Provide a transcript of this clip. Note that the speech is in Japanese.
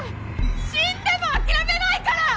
死んでも諦めないから！！